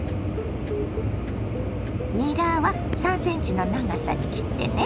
にらは３ｃｍの長さに切ってね。